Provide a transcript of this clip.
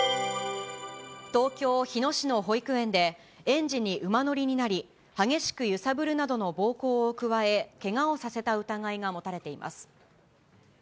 東京・日野市の保育園で、園児に馬乗りになり、激しく揺さぶるなどの暴行を加え、けがをさせた疑いが持たれています。